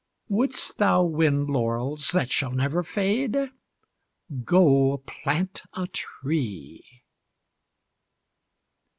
Wouldst thou win laurels that shall never fade? Go plant a tree.